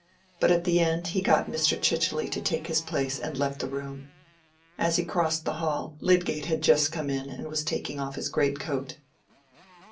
But at the end he got Mr. Chichely to take his place, and left the room. As he crossed the hall, Lydgate had just come in and was taking off his great coat.